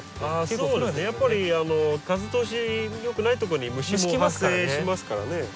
あやっぱり風通しよくないとこに虫も発生しますからね。